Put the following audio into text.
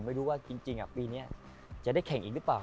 ไม่รู้ว่าจริงปีนี้จะได้แข่งอีกหรือเปล่า